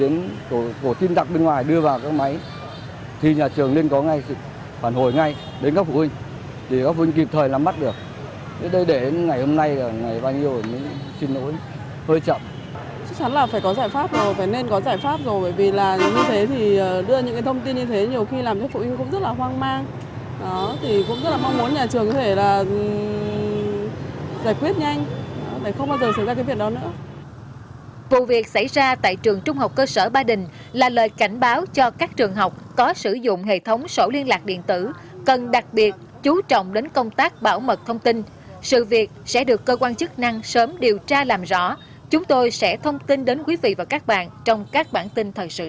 một phụ huynh có con đang học tại trường trung học cơ sở ba đình cho chúng tôi xem tin nhắn mà anh vẫn lưu trong điện thoại